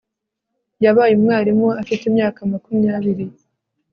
Yabaye umwarimu afite imyaka makumyabiri